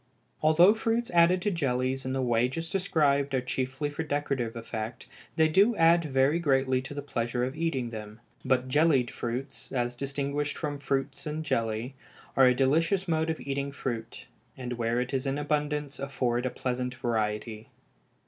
Although fruits added to jellies in the way just described are chiefly for decorative effect, they do add very greatly to the pleasure of eating them; but jellied fruits, as distinguished from fruits in jelly, are a delicious mode of eating fruit, and where it is in abundance afford a pleasant variety.